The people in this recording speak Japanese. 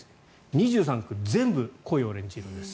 ２３区全部濃いオレンジ色です。